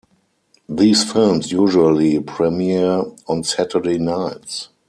These films usually premiere on Saturday nights.